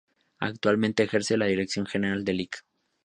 Actualmente ejerce la dirección general el Lic.